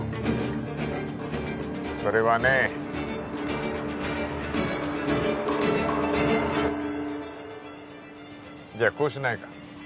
それはねじゃあこうしないか？